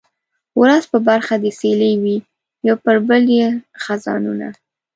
ورځ په برخه د سیلۍ وي یو پر بل یې خزانونه